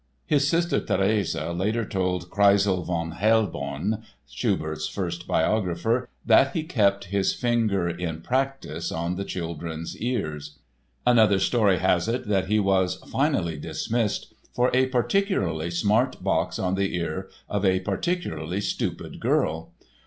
His sister, Therese, later told Kreissle von Hellborn (Schubert's first biographer) that he "kept his finger in practise on the children's ears." Another story has it that he was finally dismissed for a particularly smart box on the ear of a particularly stupid girl.